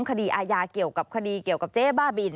คดีอาญาเกี่ยวกับคดีเกี่ยวกับเจ๊บ้าบิน